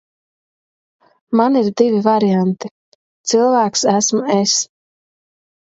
Man ir divi varianti. Cilvēks esmu es.